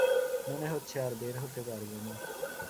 মনে হচ্ছে আর বের হতে পারব না।